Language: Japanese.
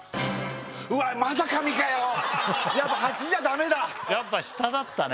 うわっやっぱ８じゃダメだやっぱ下だったね